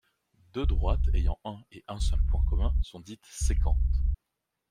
Deux droites ayant un et un seul point commun sont dites sécantes.